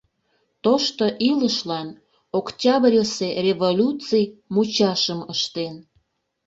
Тошто илышлан Октябрьысе революций мучашым ыштен.